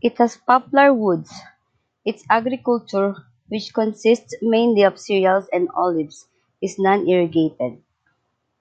It has poplar woods. Its agriculture, which consists mainly of cereals and olives, is non-irrigated.